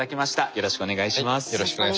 よろしくお願いします。